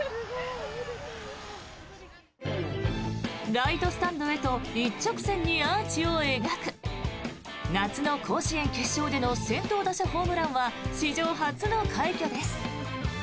ライトスタンドへと一直線にアーチを描く夏の甲子園決勝での先頭打者ホームランは史上初の快挙です。